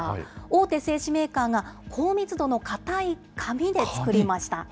大手製紙メーカーが高密度の硬い紙で作りました。